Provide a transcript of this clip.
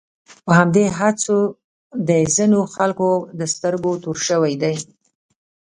په همدې هڅو د ځینو خلکو د سترګو تور شوی دی.